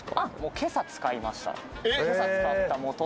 今朝、使いました。